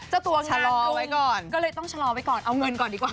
เจ้าตัวชะลอเอาไว้ก่อนก็เลยต้องชะลอไว้ก่อนเอาเงินก่อนดีกว่า